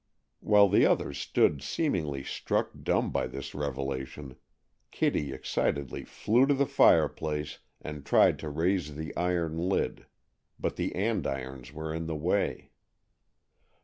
While the others stood seemingly struck dumb by this revelation, Kitty excitedly flew to the fireplace and tried to raise the iron lid, but the andirons were in the way.